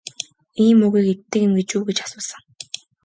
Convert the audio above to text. Ийм мөөгийг иддэг юм гэж үү гэж асуусан.